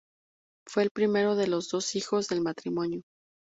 Fue el primero de los dos hijos del matrimonio.